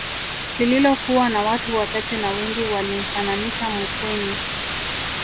Lililokuwa na watu wachache na Wengi walimfananisha Mufwimi